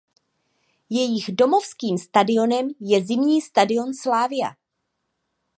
Jejich domovským stadionem je Zimní stadion Slavia.